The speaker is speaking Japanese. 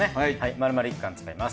丸々１缶使います。